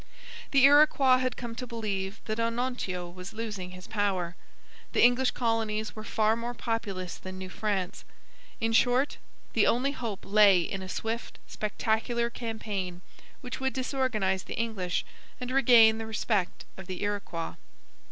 The Iroquois had come to believe that Onontio was losing his power. The English colonies were far more populous than New France. In short, the only hope lay in a swift, spectacular campaign which would disorganize the English and regain the respect of the Iroquois.